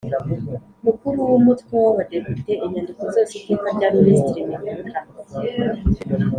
Mukuru w umutwe w abadepite inyandiko zose iteka rya minisitiri mifotra